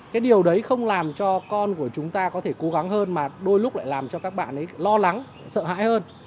cái điều đấy không làm cho con của chúng ta có thể cố gắng hơn mà đôi lúc lại làm cho các bạn ấy lo lắng sợ hãi hơn